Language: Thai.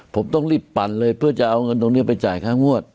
ผมต้องรีบปั่นเลยเพื่อจะเอาเงินตรงนี้ไปจ่ายค่างวด